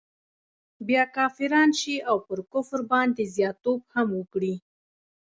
بیا کافران سي او پر کفر باندي زیات توب هم وکړي.